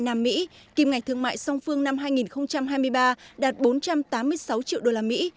nam mỹ kim ngạch thương mại song phương năm hai nghìn hai mươi ba đạt bốn trăm tám mươi sáu triệu đô la mỹ